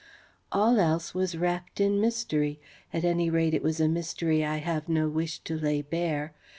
All else was wrapt in mystery ... at any rate it was a mystery I have no wish to lay bare.